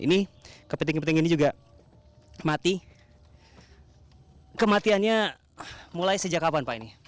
ini kepiting kepiting ini juga mati kematiannya mulai sejak kapan pak ini